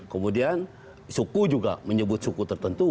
kemudian suku juga menyebut suku tertentu